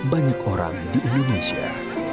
banyak orang di indonesia